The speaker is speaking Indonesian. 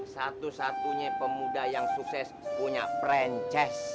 satu satunya pemuda yang sukses punya princes